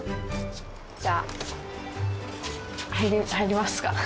じゃあ入りますか。